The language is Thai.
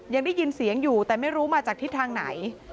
ยังได้ยินเสียงอยู่แต่ไม่รู้มาจากทิศทางไหน